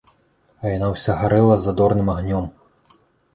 А яна ўся гарэла задорным агнём.